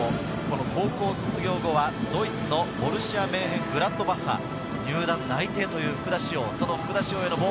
高校卒業後はドイツのボルシア・メンヘングラートバッハに入団が内定している福田師王。